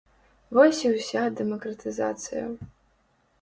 Вось і ўся дэмакратызацыя.